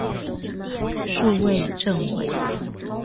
數位政委